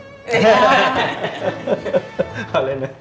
ใช่